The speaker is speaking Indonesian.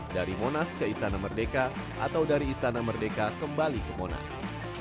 dari monas ke istana merdeka atau dari istana merdeka kembali ke monas